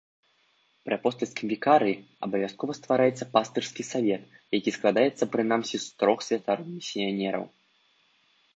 Пры апостальскім вікарыі абавязкова ствараецца пастырскі савет, які складаецца прынамсі з трох святароў-місіянераў.